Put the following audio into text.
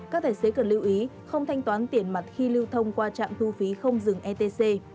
các tài xế cần lưu ý không thanh toán tiền mặt khi lưu thông qua trạm thu phí không dừng etc